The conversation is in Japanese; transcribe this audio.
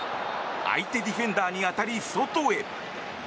相手ディフェンダーに当たり外へ。